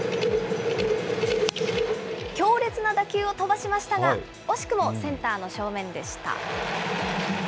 強烈な打球を飛ばしましたが、惜しくもセンターの正面でした。